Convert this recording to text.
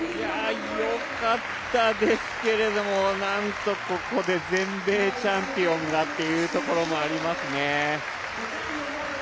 よかったですけれどもなんとここで全米チャンピオンがっていうところもありますね。